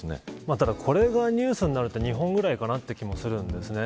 ただ、これがニュースになるのは日本ぐらいかなという気もするんですね。